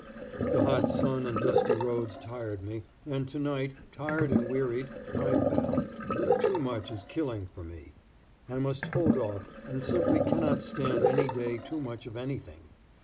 The hot sun and dusty roads tired me, and to night, tired and wearied, I fell. Too much is killing for me. I must hold off, and simply cannot stand any day too much of anything.